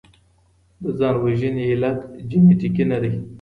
د ځان وژني علت جنيټيکي نه دی.